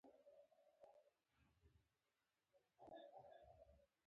د کاناډا کیسه د بریا کیسه ده.